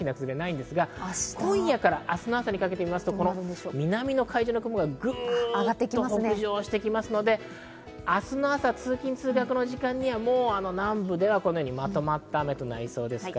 今夜から明日の朝にかけては南の海上の雲がグッと北上してきますので、明日の朝、通勤・通学のときには南部ではこのようにまとまった雨となりそうです。